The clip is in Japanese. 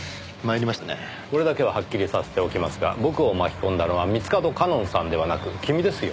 これだけははっきりさせておきますが僕を巻き込んだのは三ツ門夏音さんではなく君ですよ。